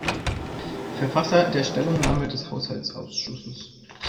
Verfasser der Stellungnahme des Haushaltsausschusses.